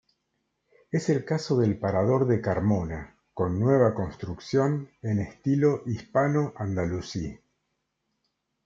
Es el caso del Parador de Carmona, con nueva construcción en estilo Hispano-andalusí.